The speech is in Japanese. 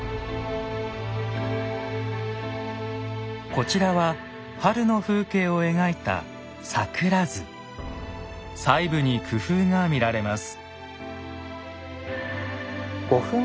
こちらは春の風景を描いた細部に工夫が見られます。